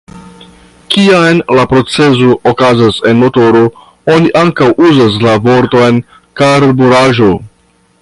Kiam la procezo okazas en motoro, oni ankaŭ uzas la vorton karburaĵo.